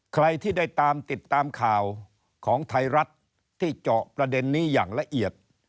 ใครที่ได้ตามติดตามข่าวของไทยรัฐที่เจาะประเด็นนี้อย่างละเอียด